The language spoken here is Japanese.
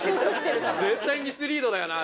絶対ミスリードだよな。